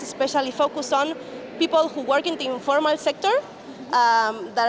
terutama fokus pada orang orang yang bekerja di sektor informal